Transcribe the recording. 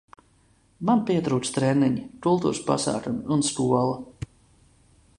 Man pietrūkst treniņi, kultūras pasākumi un skola.